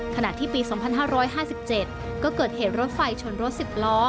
ขณะที่ปี๒๕๕๗ก็เกิดเหตุรถไฟชนรถ๑๐ล้อ